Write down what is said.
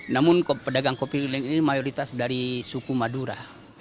namun pedagang kopi keliling ini mayoritas dari suku madura